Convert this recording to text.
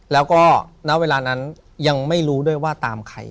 แล้วก็ณเวลานั้นยังไม่รู้ด้วยว่าตามใคร